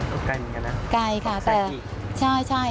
ก็ไกลเหมือนกันนะออกไกลกี่ใช่